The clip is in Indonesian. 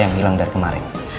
yang hilang dari kemarin